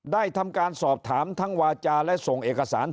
ได้ทำการสอบถามทั้งวาจาและส่งเอกสาร